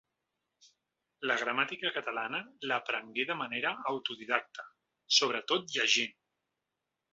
La gramàtica catalana, l’aprengué de manera autodidàctica, sobretot llegint.